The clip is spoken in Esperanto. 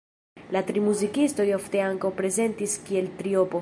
La tri muzikistoj ofte ankaŭ prezentis kiel triopo.